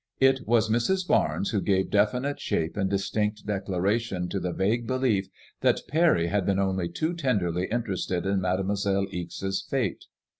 It was Mrs. Barnes who gave de finite shape and distinct declara tion to the vague belief that Parry had been only too tenderly interested in Mademoiselle Ixe's fate.